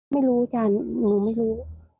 ไม่รู้จ้ะหนูไม่รู้